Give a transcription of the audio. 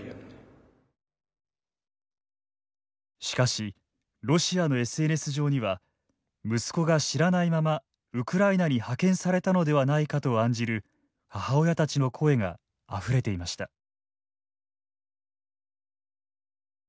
しかしロシアのＳＮＳ上には息子が知らないままウクライナに派遣されたのではないかと案じる母親たちの声があふれていました。